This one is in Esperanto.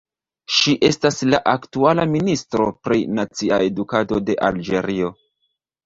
Ŝi estas la aktuala ministro pri nacia edukado de Alĝerio.